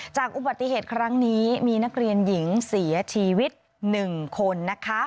จากอุบัติเหตุครั้งนี้มีนักเรียนหญิงเสียชีวิต๑คนนะคะ